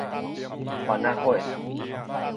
番仔火